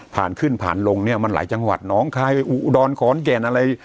ผ่านขึ้นผ่านลงเนี่ยมันหลายจังหวัดน้องคลายไปอุดรขอนแก่นอะไร